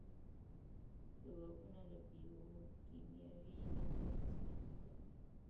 ځوابونه له بیوکیمیاوي لاملونو سره نښلوي.